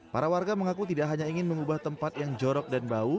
para warga mengaku tidak hanya ingin mengubah tempat yang jorok dan bau